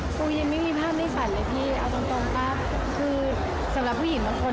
ครูยังไม่มีภาพในฝันเลยพี่เอาตรงตรงป่ะคือสำหรับผู้หญิงบางคน